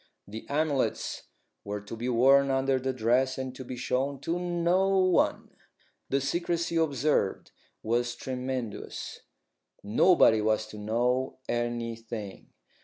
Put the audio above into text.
The amulets were to be worn under the dress, and to be shown to no one. The secrecy observed was tremendous. Nobody was to know anything.